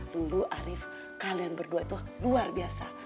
dulu arief kalian berdua itu luar biasa